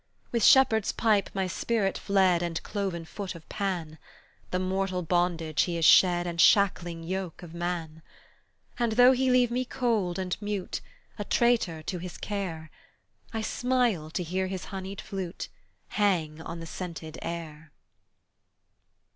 With shepherd's pipe my spirit fled And cloven foot of Pan; The mortal bondage he has shed And shackling yoke of man. And though he leave me cold and mute, A traitor to his care, I smile to hear his honeyed flute Hang on the scented air.